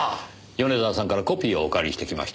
米沢さんからコピーをお借りしてきました。